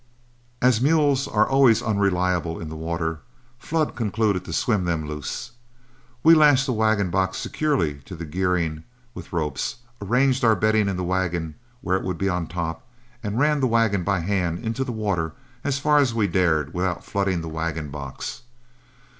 As mules are always unreliable in the water, Flood concluded to swim them loose. We lashed the wagon box securely to the gearing with ropes, arranged our bedding in the wagon where it would be on top, and ran the wagon by hand into the water as far as we dared without flooding the wagon box.